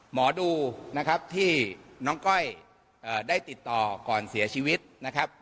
หมอดูนะครับที่น้องก้อยได้ติดต่อก่อนเสียชีวิตนะครับ